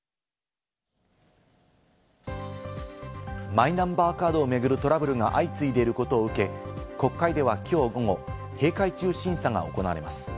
マイナンバーカードを巡るトラブルが相次いでいることを受け、国会ではきょう午後、閉会中審査が行われます。